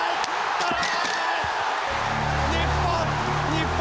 日本！